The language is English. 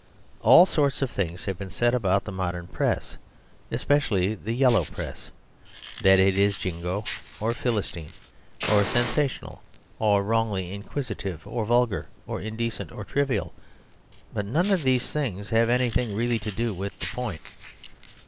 All sorts of things have been said about the modern Press, especially the Yellow Press; that it is Jingo or Philistine or sensational or wrongly inquisitive or vulgar or indecent or trivial; but none of these have anything really to do with the point.